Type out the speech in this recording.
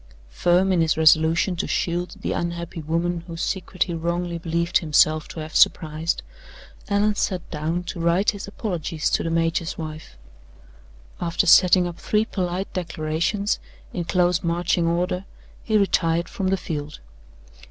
Firm in his resolution to shield the unhappy woman whose secret he wrongly believed himself to have surprised, Allan sat down to write his apologies to the major's wife. After setting up three polite declarations, in close marching order, he retired from the field.